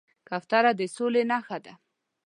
کوتره د سولې نښه ده.